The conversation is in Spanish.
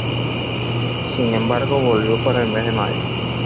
Sin embargo, volvió para el mes de mayo.